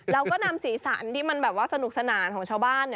เราก็นำสีสันที่มันแบบว่าสนุกสนานของชาวบ้าน